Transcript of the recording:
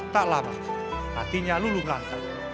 tak lama hatinya luluh lantak